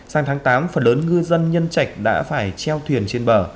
sang tháng tám phần lớn ngư dân nhân trạch đã phải treo thuyền trên bờ